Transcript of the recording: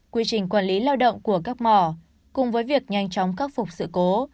quy trình quản lý lao động của các mỏ cùng với việc nhanh chóng khắc phục sự cố